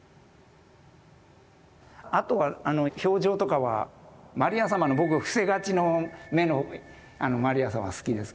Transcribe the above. あとは表情とかはマリア様の僕伏せがちの目のマリア様が好きですけど。